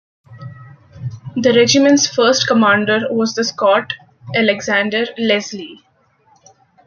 The regiment's first commander was the Scot Alexander Leslie.